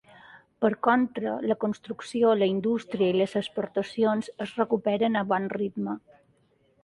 Per contra, la construcció, la indústria i les exportacions es recuperen a bon ritme.